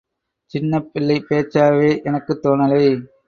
சின்னப்பிள்ளை பேச்சாவே எனக்குத் தோணலை.